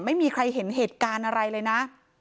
ไม่มีใครเห็นเหตุการณ์อะไรเลยนะ